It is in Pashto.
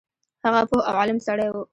هغه پوه او عالم سړی وو.